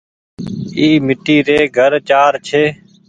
اي ميٽي ري گهر چآر ڇي۔